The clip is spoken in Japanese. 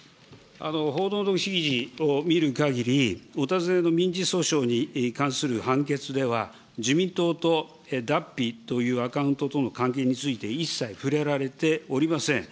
報道のを見るかぎり、お尋ねの民事訴訟に関する判決では、自民党とＤａｐｐｉというアカウントとの関係について、一切触れられておりません。